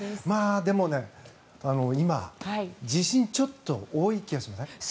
でも今、地震ちょっと多い気がしません？